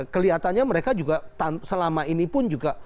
kelihatannya mereka juga selama ini pun juga